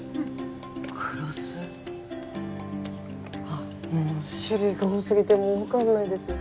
あっもう種類が多すぎてもう分かんないです。